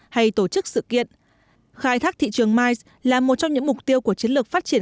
hay tổ chức sự kiện khai thác thị trường mice là một trong những mục tiêu của chiến lược phát triển